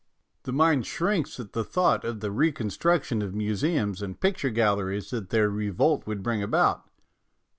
The mind shrinks at the thought of the reconstruction of museums and picture galleries that their revolt would bring about.